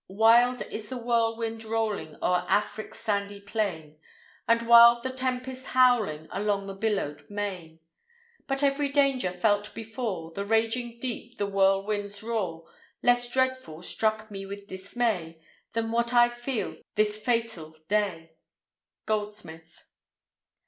"Wild is the whirlwind rolling O'er Afric's sandy plain, And wild the tempest howling Along the billowed main; But every danger felt before— The raging deep, the whirlwind's roar. Less dreadful struck me with dismay, Than what I feel this fatal day." —GOLDSMITH.